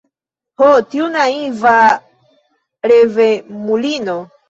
Ho, tiu naiva revemulino!